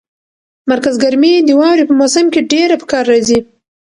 مرکز ګرمي د واورې په موسم کې ډېره په کار راځي.